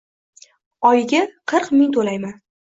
Oyiga qirq ming to`layman